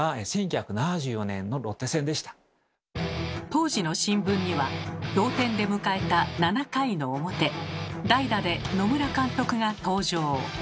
当時の新聞には同点で迎えた７回の表代打で野村監督が登場。